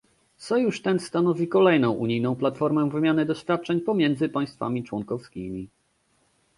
Sojusz ten stanowi kolejną unijną platformę wymiany doświadczeń pomiędzy państwami członkowskimi